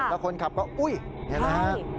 แล้วคนขับก็อุ๊ยเห็นไหมครับ